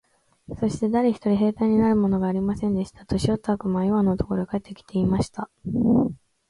そして誰一人兵隊になるものがありませんでした。年よった悪魔はイワンのところへ帰って来て、言いました。